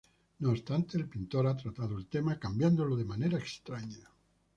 No obstante, el pintor ha tratado el tema cambiándolo de manera extraña.